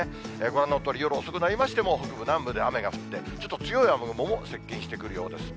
ご覧のとおり、夜遅くなりましても、北部、南部で雨が降って、ちょっと強い雨雲も接近してくるようです。